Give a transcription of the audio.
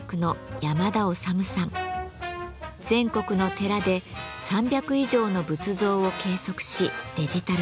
全国の寺で３００以上の仏像を計測しデジタル化。